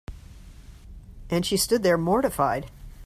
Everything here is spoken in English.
And she stood there mortified.